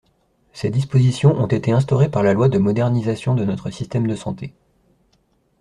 Ces dispositions ont été instaurées par la loi de modernisation de notre système de santé.